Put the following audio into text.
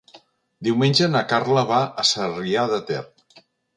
Diumenge na Carla va a Sarrià de Ter.